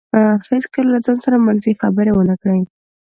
هغه هېڅکله له ځان سره منفي خبرې ونه کړې.